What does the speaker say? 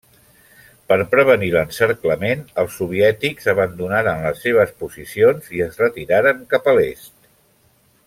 Per prevenir l'encerclament, els soviètics abandonaren les seves posicions i es retiraren cap a l'est.